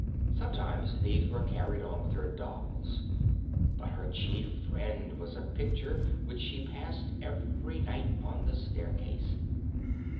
Sometimes these were carried on with her dolls, but her chief friend was a picture which she passed every night on the staircase.